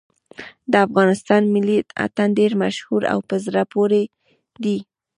د افغانستان ملي اتڼ ډېر مشهور او په زړه پورې دی.